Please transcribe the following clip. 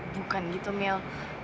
bukan gitu mil